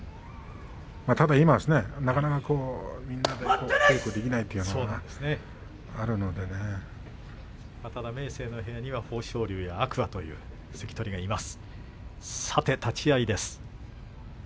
ただ、今なかなかみんなで稽古できないというのが明生の部屋には豊昇龍や天空海という関取がいます。